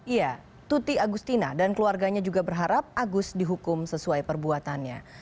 iya tuti agustina dan keluarganya juga berharap agus dihukum sesuai perbuatannya